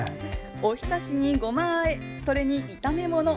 お浸しに、ごまあえ、それに炒め物。